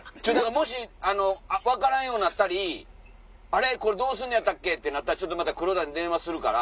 もし分からんようになったりどうすんねやった？ってなったらまた黒田に電話するから。